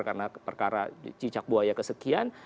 karena perkara cicak buaya kesekian